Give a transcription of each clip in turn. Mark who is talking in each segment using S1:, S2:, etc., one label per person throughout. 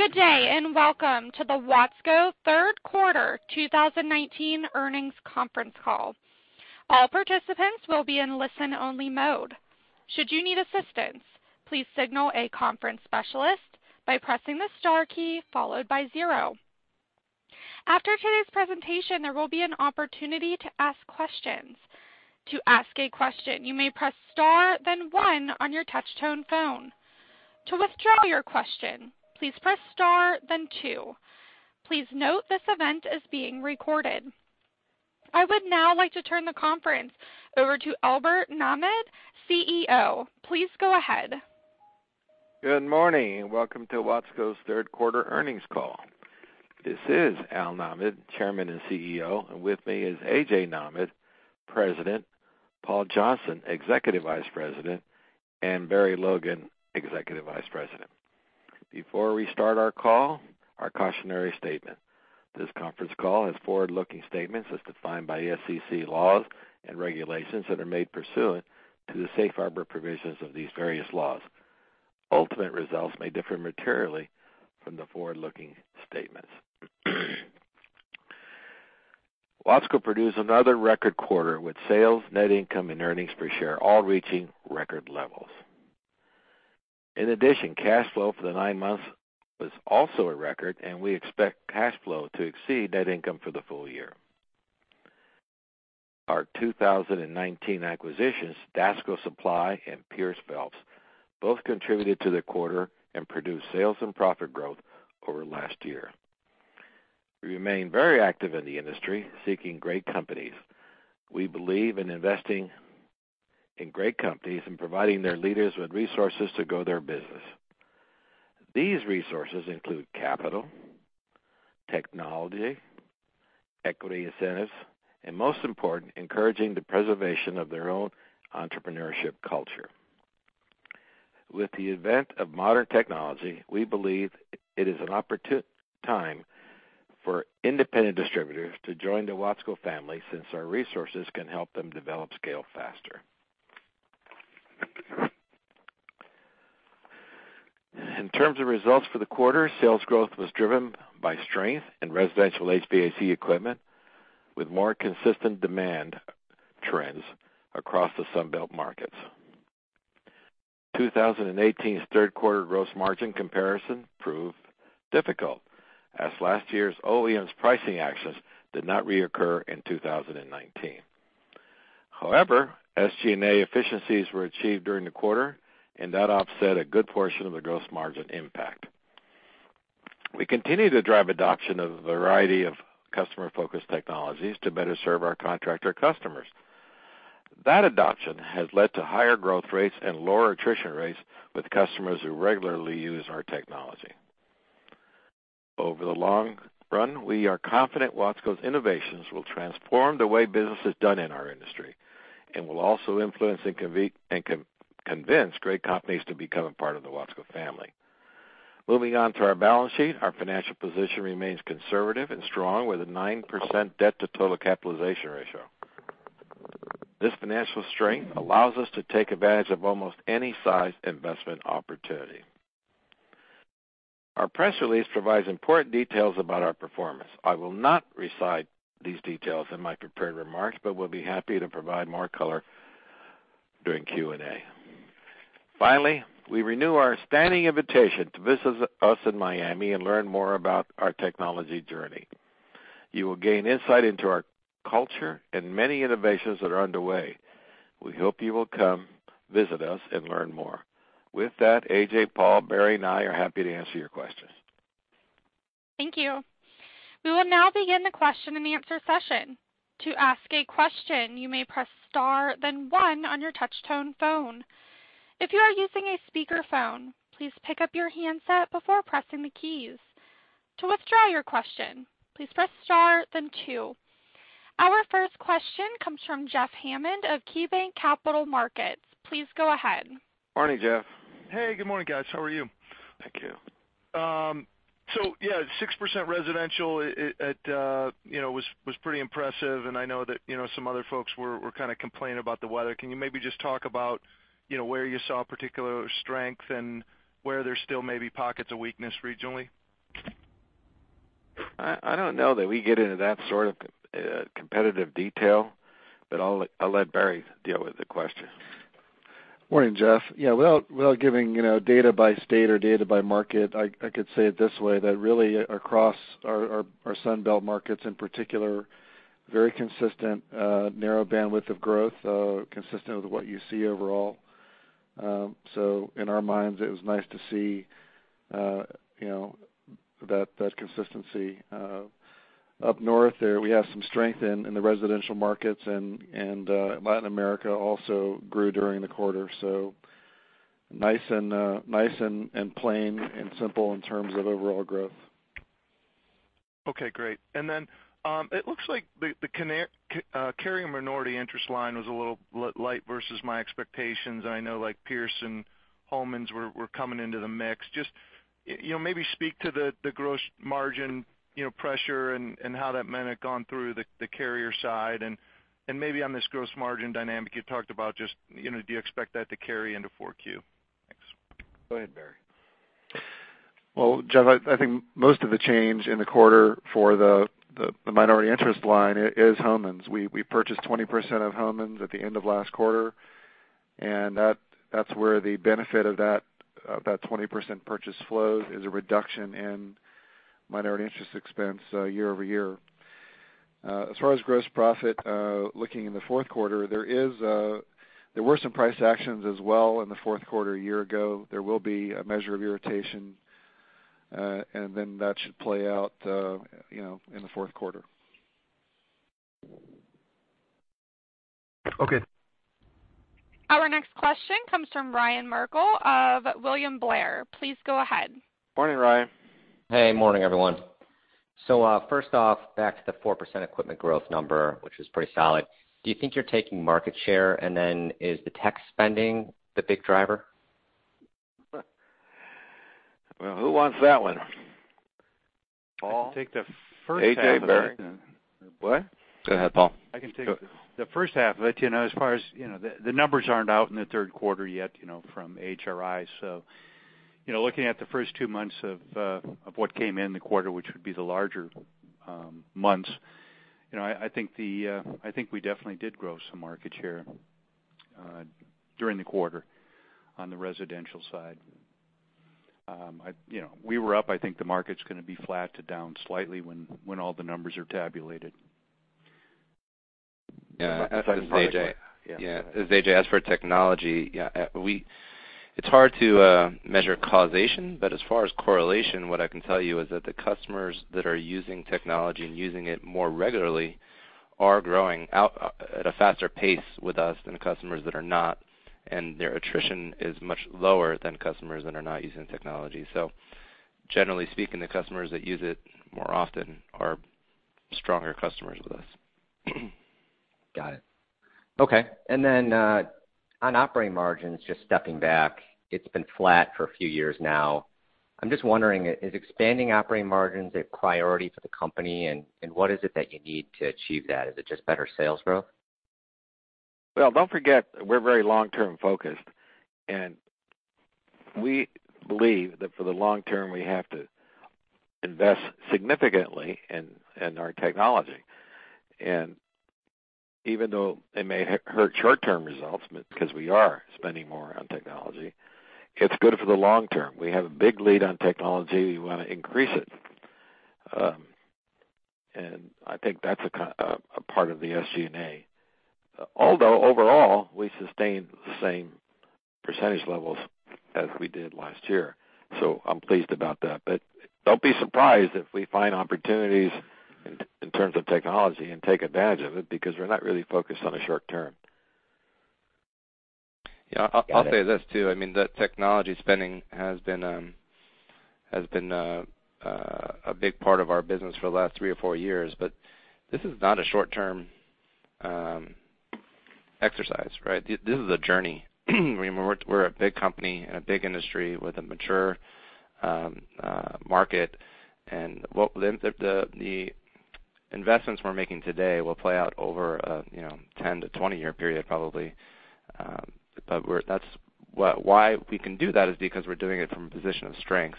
S1: Good day, and welcome to the Watsco Third Quarter 2019 Earnings Conference Call. All participants will be in listen-only mode. Should you need assistance, please signal a conference specialist by pressing the star key followed by zero. After today's presentation, there will be an opportunity to ask questions. To ask a question, you may press star then one on your touch-tone phone. To withdraw your question, please press star then two. Please note this event is being recorded. I would now like to turn the conference over to Albert Nahmad, CEO. Please go ahead.
S2: Good morning, and welcome to Watsco's Third Quarter Earnings Call. This is Albert Nahmad, Chairman and CEO, and with me is A.J. Nahmad, President, Paul Johnston, Executive Vice President, and Barry Logan, Executive Vice President. Before we start our call, our cautionary statement. This conference call has forward-looking statements as defined by SEC laws and regulations that are made pursuant to the safe harbor provisions of these various laws. Ultimate results may differ materially from the forward-looking statements. Watsco produced another record quarter with sales, net income, and earnings per share all reaching record levels. In addition, cash flow for the nine months was also a record, and we expect cash flow to exceed net income for the full year. Our 2019 acquisitions, Dasco Supply and Peirce-Phelps, both contributed to the quarter and produced sales and profit growth over last year. We remain very active in the industry, seeking great companies. We believe in investing in great companies and providing their leaders with resources to grow their business. These resources include capital, technology, equity incentives, and most important, encouraging the preservation of their own entrepreneurship culture. With the advent of modern technology, we believe it is a time for independent distributors to join the Watsco family since our resources can help them develop scale faster. In terms of results for the quarter, sales growth was driven by strength in residential HVAC equipment, with more consistent demand trends across the Sun Belt markets. 2018's third quarter gross margin comparison proved difficult, as last year's OEMs pricing actions did not reoccur in 2019. SG&A efficiencies were achieved during the quarter, that offset a good portion of the gross margin impact. We continue to drive adoption of a variety of customer-focused technologies to better serve our contractor customers. That adoption has led to higher growth rates and lower attrition rates with customers who regularly use our technology. Over the long run, we are confident Watsco's innovations will transform the way business is done in our industry and will also influence and convince great companies to become a part of the Watsco family. Moving on to our balance sheet, our financial position remains conservative and strong, with a 9% debt to total capitalization ratio. This financial strength allows us to take advantage of almost any size investment opportunity. Our press release provides important details about our performance. I will not recite these details in my prepared remarks, but we'll be happy to provide more color during Q&A. Finally, we renew our standing invitation to visit us in Miami and learn more about our technology journey. You will gain insight into our culture and many innovations that are underway. We hope you will come visit us and learn more. With that, A.J., Paul, Barry, and I are happy to answer your questions.
S1: Thank you. We will now begin the question-and-answer session. To ask a question, you may press star then one on your touch-tone phone. If you are using a speakerphone, please pick up your handset before you press any keys. To withdraw your question, please press star then two. Our first question comes from Jeffrey Hammond of KeyBanc Capital Markets. Please go ahead.
S2: Morning, Jeff.
S3: Hey, good morning, guys. How are you?
S2: Thank you.
S3: Yeah, 6% residential at, you know, was pretty impressive, and I know that, you know, some other folks were kinda complaining about the weather. Can you maybe just talk about, you know, where you saw particular strength and where there still may be pockets of weakness regionally?
S2: I don't know that we get into that sort of competitive detail, but I'll let Barry deal with the question.
S4: Morning, Jeff. Without giving, you know, data by state or data by market, I could say it this way, that really across our Sun Belt markets in particular, very consistent, narrow bandwidth of growth, consistent with what you see overall. In our minds, it was nice to see, you know, that consistency. Up north there, we have some strength in the residential markets and Latin America also grew during the quarter. Nice and plain and simple in terms of overall growth.
S3: Okay, great. It looks like the carrying minority interest line was a little light versus my expectations, and I know, like Peirce and Homans were coming into the mix. You know, maybe speak to the gross margin, you know, pressure and how that might have gone through the Carrier side. Maybe on this gross margin dynamic you talked about, you know, do you expect that to carry into 4Q? Thanks.
S2: Go ahead, Barry.
S4: Well, Jeff, I think most of the change in the quarter for the minority interest line is Homans. We purchased 20% of Homans at the end of last quarter, and that's where the benefit of that 20% purchase flows is a reduction in minority interest expense year-over-year. As far as gross profit, looking in the fourth quarter, there were some price actions as well in the fourth quarter a year ago. There will be a measure of irritation, and then that should play out, you know, in the fourth quarter. Okay.
S1: Our next question comes from Ryan Merkel of William Blair. Please go ahead.
S2: Morning, Ryan.
S5: Hey, morning, everyone. First off, back to the 4% equipment growth number, which is pretty solid. Do you think you're taking market share? Is the tech spending the big driver?
S2: Well, who wants that one? Paul? I can take the first half of that. A.J., Barry. What?
S6: Go ahead, Paul.
S7: I can take the first half of it. You know, as far as, you know, the numbers aren't out in the third quarter yet, you know, from AHRI. You know, looking at the first two months of what came in the quarter, which would be the larger, months, you know, I think the, I think we definitely did grow some market share during the quarter on the residential side. I, you know, we were up. I think the market's gonna be flat to down slightly when all the numbers are tabulated.
S6: Yeah. This is A.J. As for technology, yeah, It's hard to measure causation, but as far as correlation, what I can tell you is that the customers that are using technology and using it more regularly are growing out at a faster pace with us than the customers that are not, and their attrition is much lower than customers that are not using technology. Generally speaking, the customers that use it more often are stronger customers with us.
S5: Got it. Okay. Then, on operating margins, just stepping back, it's been flat for a few years now. I'm just wondering, is expanding operating margins a priority for the company? What is it that you need to achieve that? Is it just better sales growth?
S2: Don't forget, we're very long-term focused, and we believe that for the long term, we have to invest significantly in our technology. Even though it may hurt short-term results because we are spending more on technology, it's good for the long term. We have a big lead on technology. We wanna increase it. I think that's a part of the SG&A. Although overall, we sustained the same percentage levels as we did last year, so I'm pleased about that. Don't be surprised if we find opportunities in terms of technology and take advantage of it because we're not really focused on the short term.
S6: Yeah.
S5: Got it.
S6: I'll say this too, I mean, the technology spending has been a big part of our business for the last three or four years, but this is not a short-term exercise, right? This is a journey. I mean, we're a big company in a big industry with a mature market. The investments we're making today will play out over a, you know, 10-20-year period probably. Why we can do that is because we're doing it from a position of strength,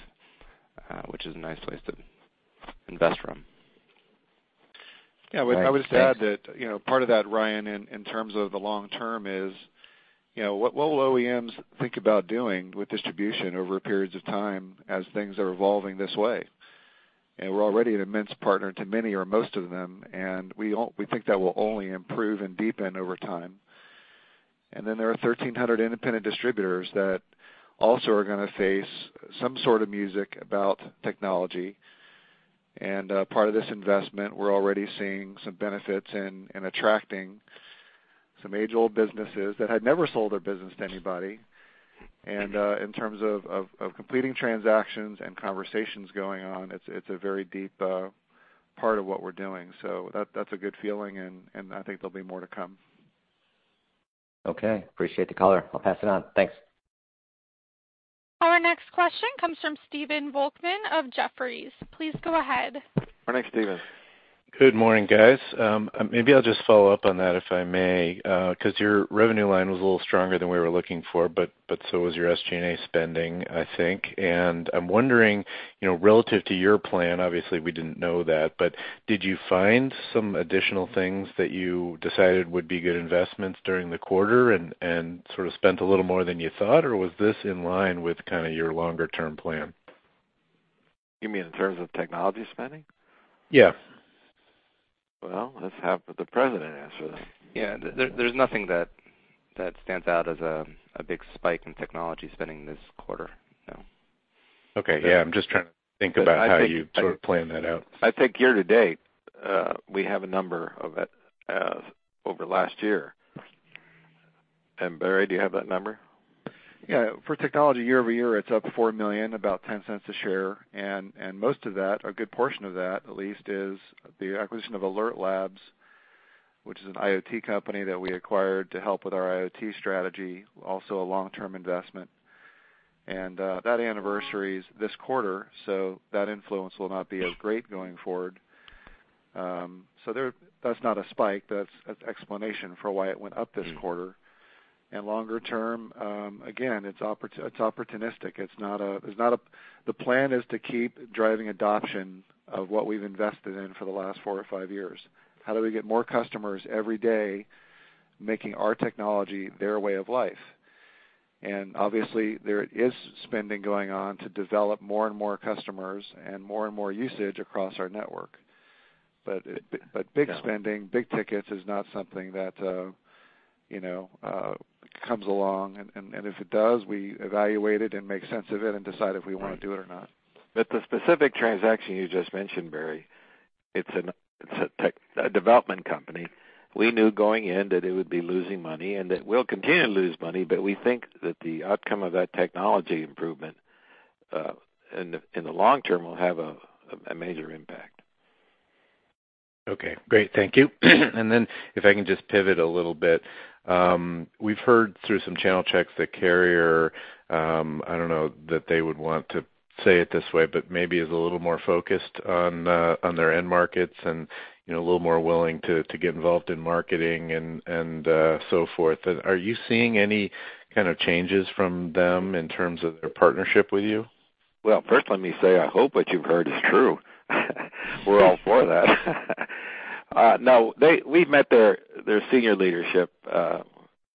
S6: which is a nice place to invest from.
S2: Yeah. I would just add that, you know, part of that, Ryan, in terms of the long term is, you know, what will OEMs think about doing with distribution over periods of time as things are evolving this way? We're already an immense partner to many or most of them, and we think that will only improve and deepen over time. Then there are 1,300 independent distributors that also are gonna face some sort of music about technology. Part of this investment, we're already seeing some benefits in attracting some age-old businesses that had never sold their business to anybody. In terms of completing transactions and conversations going on, it's a very deep part of what we're doing. That, that's a good feeling and I think there'll be more to come.
S5: Okay. Appreciate the color. I'll pass it on. Thanks.
S1: Our next question comes from Stephen Volkmann of Jefferies. Please go ahead.
S2: Our next Stephen.
S8: Good morning, guys. Maybe I'll just follow up on that, if I may, 'cause your revenue line was a little stronger than we were looking for, but so was your SG&A spending, I think. I'm wondering, you know, relative to your plan, obviously, we didn't know that, but did you find some additional things that you decided would be good investments during the quarter and sort of spent a little more than you thought? Was this in line with kinda your longer-term plan?
S2: You mean in terms of technology spending?
S8: Yeah.
S2: Well, let's have the President answer that.
S6: Yeah. There's nothing that stands out as a big spike in technology spending this quarter, no.
S8: Okay. Yeah. I'm just trying to think about how you sort of plan that out.
S2: I think year to date, we have a number of it over last year. Barry, do you have that number?
S4: Yeah. For technology, year-over-year, it's up $4 million, about $0.10 a share. Most of that, a good portion of that, at least, is the acquisition of Alert Labs, which is an IoT company that we acquired to help with our IoT strategy, also a long-term investment. That anniversary is this quarter, so that influence will not be as great going forward. So there, that's not a spike. That's explanation for why it went up this quarter. Longer term, again, it's opportunistic. The plan is to keep driving adoption of what we've invested in for the last 4-5 years. How do we get more customers every day making our technology their way of life? Obviously, there is spending going on to develop more and more customers and more and more usage across our network. Big spending, big tickets is not something that, you know, comes along. If it does, we evaluate it and make sense of it and decide if we wanna do it or not.
S2: Right. The specific transaction you just mentioned, Barry, it's a development company. We knew going in that it would be losing money and it will continue to lose money, but we think that the outcome of that technology improvement, in the, in the long term will have a major impact.
S8: Okay. Great. Thank you. If I can just pivot a little bit. We've heard through some channel checks that Carrier, I don't know that they would want to say it this way, but maybe is a little more focused on their end markets and, you know, a little more willing to get involved in marketing and so forth. Are you seeing any kind of changes from them in terms of their partnership with you?
S2: Well, first let me say, I hope what you've heard is true. We're all for that. No, we've met their senior leadership,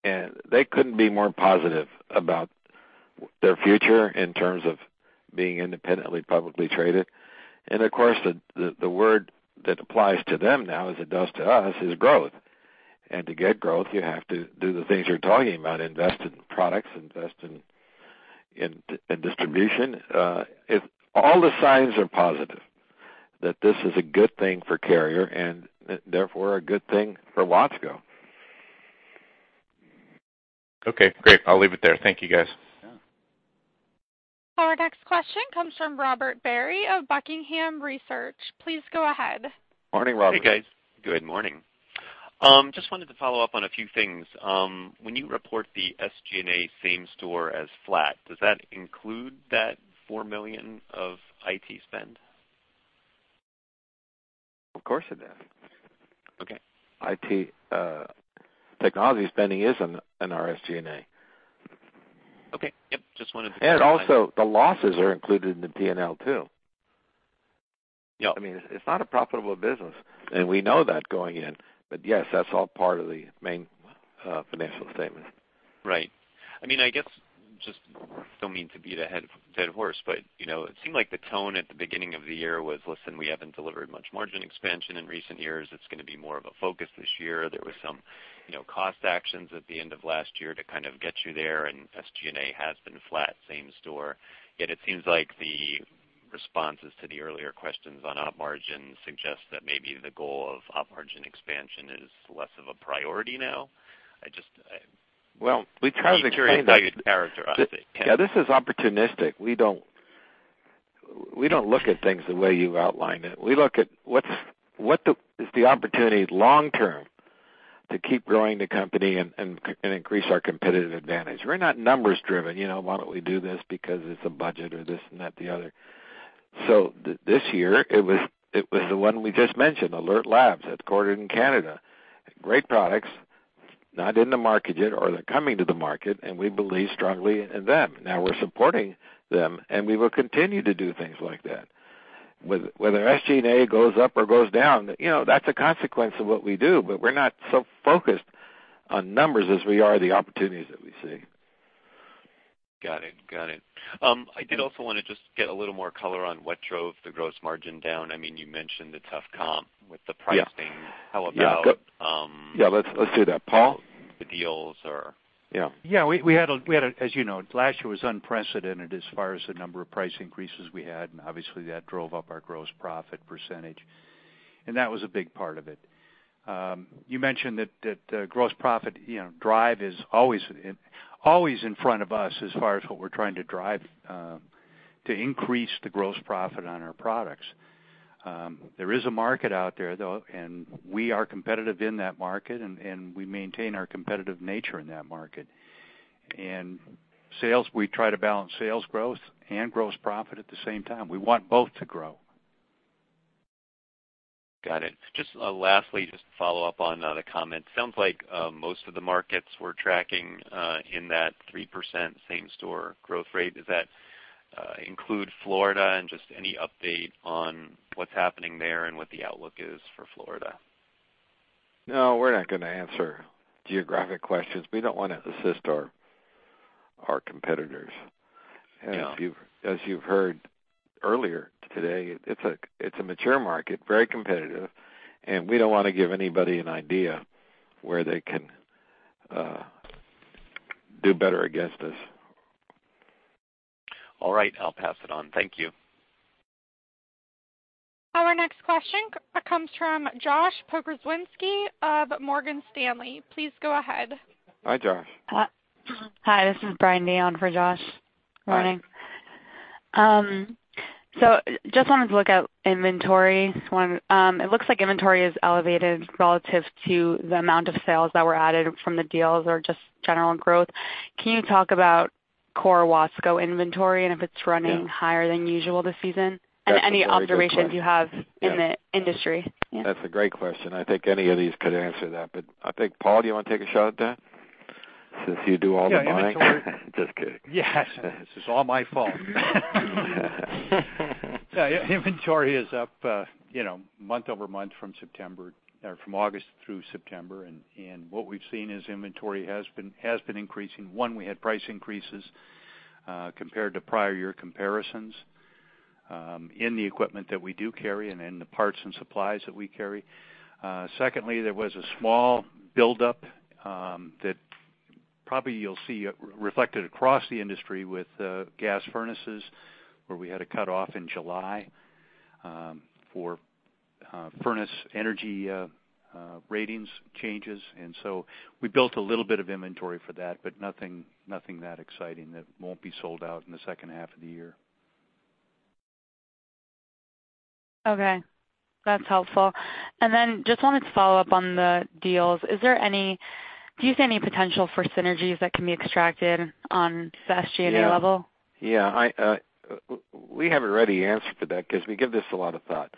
S2: and they couldn't be more positive about their future in terms of being independently publicly traded. Of course, the word that applies to them now, as it does to us, is growth. To get growth, you have to do the things you're talking about, invest in products, invest in distribution. All the signs are positive that this is a good thing for Carrier and, therefore, a good thing for Watsco.
S8: Okay, great. I'll leave it there. Thank you, guys.
S2: Yeah.
S1: Our next question comes from Robert Barry of Buckingham Research. Please go ahead.
S2: Morning, Robert.
S9: Hey, guys. Good morning. Just wanted to follow up on a few things. When you report the SG&A same store as flat, does that include that $4 million of IT spend?
S2: Of course it does.
S9: Okay.
S2: IT, technology spending is in our SG&A.
S9: Okay. Yep, just wanted to clarify.
S2: Also, the losses are included in the P&L too.
S9: Yeah.
S2: I mean, it's not a profitable business, and we know that going in. Yes, that's all part of the main financial statement.
S9: Right. I mean, I guess, just don't mean to beat a dead horse, but, you know, it seemed like the tone at the beginning of the year was, "Listen, we haven't delivered much margin expansion in recent years. It's gonna be more of a focus this year." There was some, you know, cost actions at the end of last year to kind of get you there, and SG&A has been flat same store. It seems like the responses to the earlier questions on op margin suggest that maybe the goal of op margin expansion is less of a priority now.
S2: Well, we kind of explained that.
S9: I'm curious how you'd characterize it.
S2: Yeah, this is opportunistic. We don't look at things the way you outlined it. We look at what the opportunity is long term to keep growing the company and increase our competitive advantage. We're not numbers-driven. You know, why don't we do this because it's a budget or this and that, the other. This year, it was the one we just mentioned, Alert Labs, headquartered in Canada. Great products, not in the market yet, or they're coming to the market, and we believe strongly in them. Now we're supporting them, and we will continue to do things like that. Whether SG&A goes up or goes down, you know, that's a consequence of what we do. We're not so focused on numbers as we are the opportunities that we see.
S9: Got it. I did also wanna just get a little more color on what drove the gross margin down. I mean, you mentioned the tough comp with the pricing.
S2: Yeah.
S9: How about?
S2: Yeah, let's do that. Paul?
S9: The deals or.
S2: Yeah.
S7: Yeah. We had a, as you know, last year was unprecedented as far as the number of price increases we had, and obviously that drove up our gross profit percentage. That was a big part of it. You mentioned that, gross profit, you know, drive is always in front of us as far as what we're trying to drive to increase the gross profit on our products. There is a market out there though, and we are competitive in that market and we maintain our competitive nature in that market. Sales, we try to balance sales growth and gross profit at the same time. We want both to grow.
S9: Got it. Just, lastly, just to follow up on another comment. Sounds like, most of the markets we're tracking, in that 3% same store growth rate. Does that, include Florida and just any update on what's happening there and what the outlook is for Florida?
S2: No, we're not gonna answer geographic questions. We don't wanna assist our competitors.
S9: Yeah.
S2: As you've heard earlier today, it's a mature market, very competitive, and we don't want to give anybody an idea where they can do better against us.
S9: All right, I'll pass it on. Thank you.
S1: Our next question comes from Josh Pokrzywinski of Morgan Stanley. Please go ahead.
S2: Hi, Josh.
S10: Hi, this is Brandy on for Josh. Morning. Just wanted to look at inventory. One, it looks like inventory is elevated relative to the amount of sales that were added from the deals or just general growth. Can you talk about core Watsco inventory and if it's running higher than usual this season?
S2: That's a very good question.
S10: Any observations you have in the industry.
S2: That's a great question. I think any of these could answer that. I think, Paul, do you wanna take a shot at that since you do all the buying? Just kidding.
S7: Yes. This is all my fault. Yeah, inventory is up, you know, month-over-month from September or from August through September, and what we've seen is inventory has been increasing. One, we had price increases, compared to prior year comparisons, in the equipment that we do carry and in the parts and supplies that we carry. Secondly, there was a small buildup, that probably you'll see reflected across the industry with gas furnaces, where we had a cutoff in July, for furnace energy ratings changes. We built a little bit of inventory for that, but nothing that exciting that won't be sold out in the second half of the year.
S10: Okay. That's helpful. Just wanted to follow up on the deals. Do you see any potential for synergies that can be extracted on the SG&A level?
S2: Yeah. Yeah. I, we have a ready answer for that 'cause we give this a lot of thought.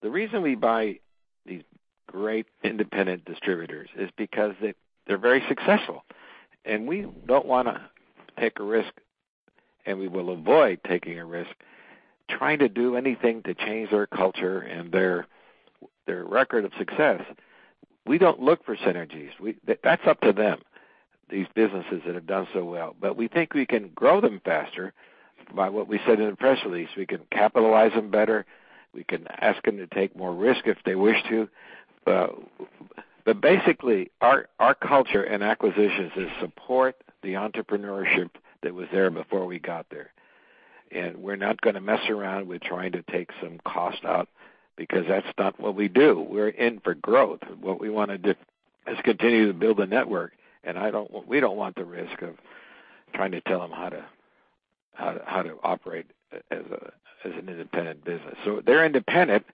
S2: The reason we buy these great independent distributors is because they're very successful. We don't wanna take a risk, and we will avoid taking a risk trying to do anything to change their culture and their record of success. We don't look for synergies. That's up to them, these businesses that have done so well. We think we can grow them faster by what we said in the press release. We can capitalize them better. We can ask them to take more risk if they wish to. Basically, our culture and acquisitions is support the entrepreneurship that was there before we got there. We're not gonna mess around with trying to take some cost out because that's not what we do. We're in for growth. What we wanna do is continue to build a network, and we don't want the risk of trying to tell them how to operate as an independent business. They're independent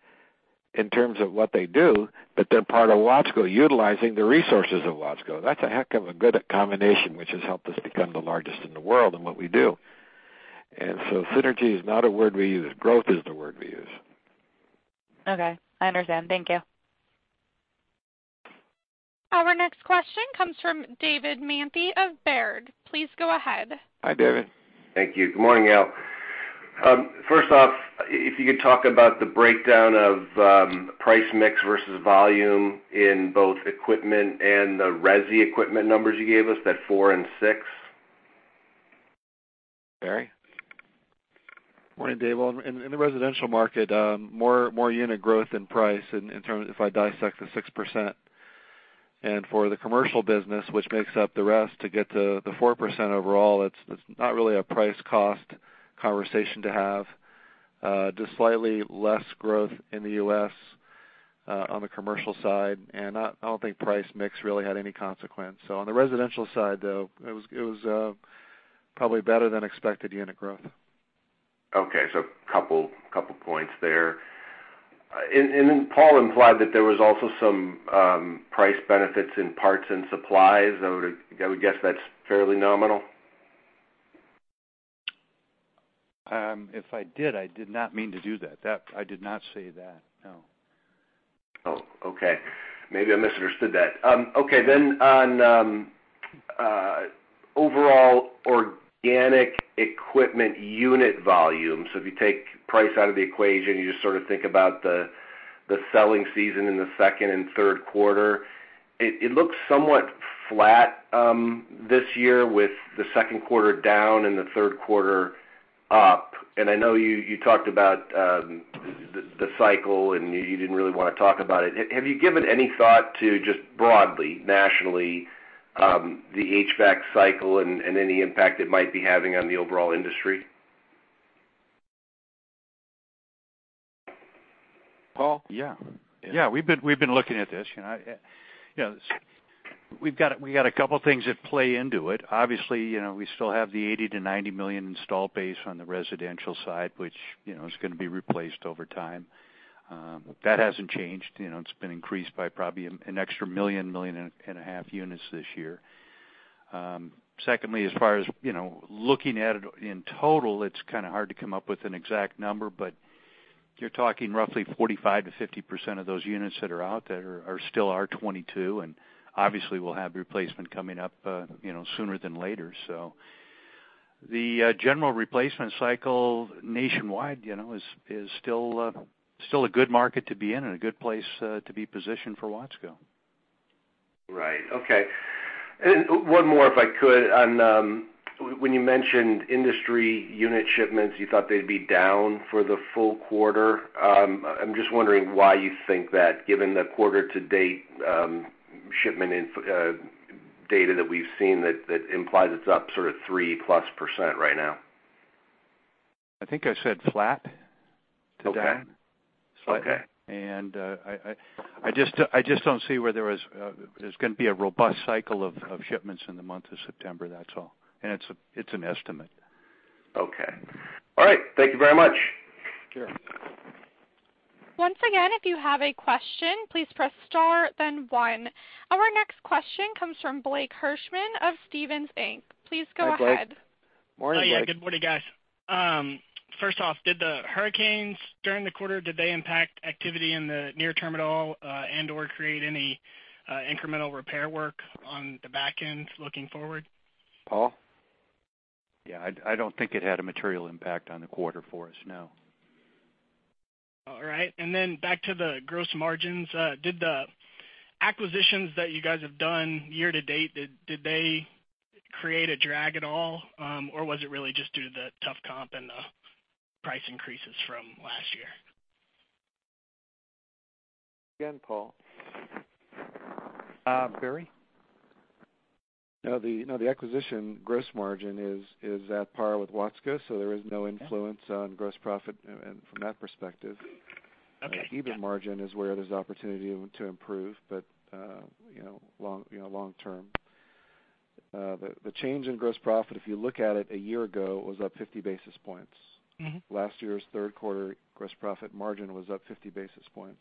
S2: in terms of what they do, but they're part of Watsco, utilizing the resources of Watsco. That's a heck of a good combination which has helped us become the largest in the world in what we do. Synergy is not a word we use. Growth is the word we use.
S10: Okay. I understand. Thank you.
S1: Our next question comes from David Manthey of Baird. Please go ahead.
S2: Hi, David.
S11: Thank you. Good morning, y'all. First off, if you could talk about the breakdown of price mix versus volume in both equipment and the resi equipment numbers you gave us, that 4 and 6?
S2: Barry?
S4: Morning, David. Well, in the residential market, more unit growth than price if I dissect the 6%. For the commercial business, which makes up the rest to get to the 4% overall, it's not really a price cost conversation to have. Just slightly less growth in the U.S. on the commercial side, and I don't think price mix really had any consequence. On the residential side, though, it was probably better than expected unit growth.
S11: Okay. A couple points there. Paul implied that there was also some price benefits in parts and supplies. I would guess that's fairly nominal.
S7: If I did, I did not mean to do that. That, I did not say that, no.
S11: Okay. Maybe I misunderstood that. Okay, then on overall organic equipment unit volume, so if you take price out of the equation, you just sort of think about the selling season in the second and third quarter, it looks somewhat flat this year with the second quarter down and the third quarter up. I know you talked about the cycle, and you didn't really wanna talk about it. Have you given any thought to just broadly, nationally, the HVAC cycle and any impact it might be having on the overall industry?
S2: Paul?
S7: Yeah.
S2: Yeah.
S7: Yeah, we've been looking at this. You know, you know, we've got a couple things that play into it. Obviously, you know, we still have the $80 million-$90 million install base on the residential side, which, you know, is going to be replaced over time. That hasn't changed. You know, it's been increased by probably an extra 1-1.5 million units this year. Secondly, as far as, you know, looking at it in total, it's kind of hard to come up with an exact number, but you're talking roughly 45%-50% of those units that are out there are still R22, and obviously we'll have replacement coming up, you know, sooner than later. The general replacement cycle nationwide, you know, is still a good market to be in and a good place to be positioned for Watsco.
S11: Right. Okay. One more, if I could, on, when you mentioned industry unit shipments, you thought they'd be down for the full quarter. I'm just wondering why you think that given the quarter to date, shipment data that we've seen that implies it's up sort of 3+% right now.
S7: I think I said flat to date.
S11: Okay. Okay.
S7: I just don't see where there was, there's gonna be a robust cycle of shipments in the month of September, that's all. It's, it's an estimate.
S11: Okay. All right. Thank you very much.
S7: Sure.
S1: Once again, if you have a question, please press star then one. Our next question comes from Blake Hirschman of Stephens Inc. Please go ahead.
S2: Hi, Blake. Morning, Blake.
S12: Yeah. Good morning, guys. First off, did the hurricanes during the quarter, did they impact activity in the near term at all, and/or create any incremental repair work on the back end looking forward?
S2: Paul?
S7: Yeah, I don't think it had a material impact on the quarter for us, no.
S12: All right. Back to the gross margins. Did the acquisitions that you guys have done year to date, did they create a drag at all? Or was it really just due to the tough comp and the price increases from last year?
S2: Again, Paul. Barry?
S4: No, the acquisition gross margin is at par with Watsco, there is no influence on gross profit and from that perspective. Okay. Yeah. EBIT margin is where there's opportunity to improve, you know, long term. The change in gross profit, if you look at it a year ago, was up 50 basis points. Last year's third quarter gross profit margin was up 50 basis points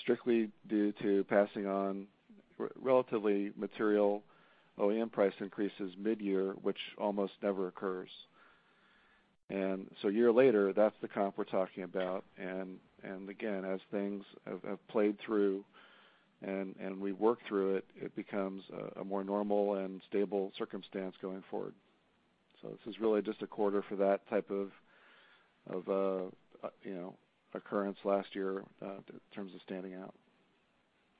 S4: strictly due to passing on relatively material OEM price increases midyear, which almost never occurs. A year later, that's the comp we're talking about. Again, as things have played through and we work through it becomes a more normal and stable circumstance going forward. This is really just a quarter for that type of, you know, occurrence last year, in terms of standing out.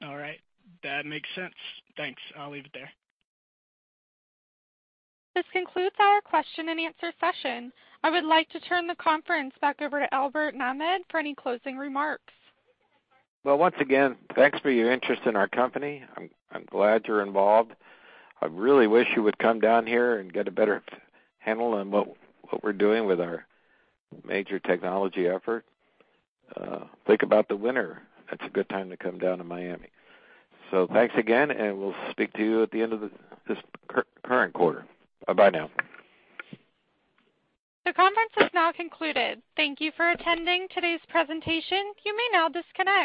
S12: All right. That makes sense. Thanks. I'll leave it there.
S1: This concludes our question and answer session. I would like to turn the conference back over to Albert Nahmad for any closing remarks.
S2: Well, once again, thanks for your interest in our company. I'm glad you're involved. I really wish you would come down here and get a better handle on what we're doing with our major technology effort. Think about the winter. That's a good time to come down to Miami. Thanks again, and we'll speak to you at the end of this current quarter. Bye bye now.
S1: The conference has now concluded. Thank you for attending today's presentation. You may now disconnect.